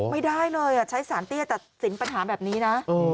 ไม่ได้เลยใช้สารเตี้ยตัดสินปัญหาแบบนี้นะ